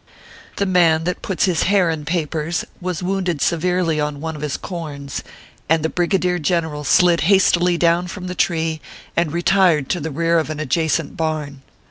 The Man that puts his hair in papers was wounded severely on one of his corns, and the Brigadier Gen eral slid hastily down from the tree, and retired to the rear of an adjacent barn.